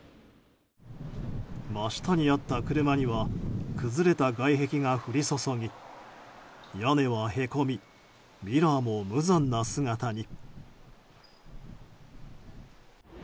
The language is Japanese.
真下にあった車には崩れた外壁が降り注ぎ屋根はへこみミラーも無残な姿に。